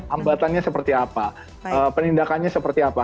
hambatannya seperti apa penindakannya seperti apa